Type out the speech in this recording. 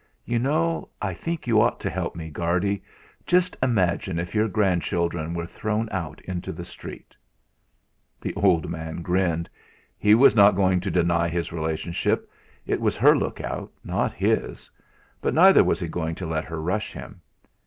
You know, I think you ought to help me, Guardy. Just imagine if your grandchildren were thrown out into the street!" The old man grinned. He was not going to deny his relationship it was her look out, not his. But neither was he going to let her rush him.